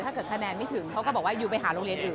ถ้าเกิดคะแนนไม่ถึงเขาก็บอกว่ายูไปหาโรงเรียนอื่น